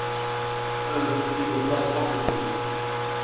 Oh, it was not possible!